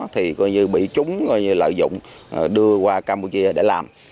thì bị chúng lợi dụng đưa qua campuchia để làm